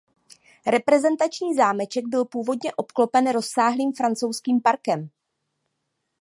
Reprezentační zámeček byl původně obklopen rozsáhlým francouzským parkem.